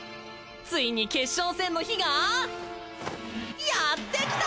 ついに決勝戦の日がやって来た！